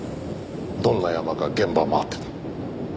どんなヤマか現場回ってた。